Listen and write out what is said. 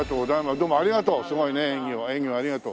どうもありがとう！